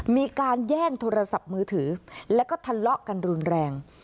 มีการแย่งโทรศัพท์มือถือแล้วก็ทะเลาะกันรุนแรง